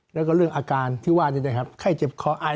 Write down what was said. แล้วก็เรื่องอาการที่ว่าไข้เจ็บคอไอ